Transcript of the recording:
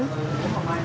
đến chín giờ sáng nay